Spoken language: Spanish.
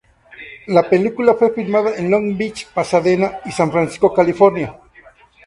La película fue filmada en Long Beach, Pasadena, y San Francisco, California.